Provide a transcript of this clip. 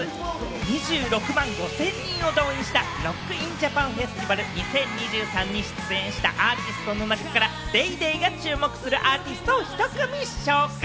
２６万５０００人を動員したＲＯＣＫＩＮＪＡＰＡＮＦＥＳＴＩＶＡＬ２０２３に出演したアーティストの中から『ＤａｙＤａｙ．』が注目するアーティストを１組紹介。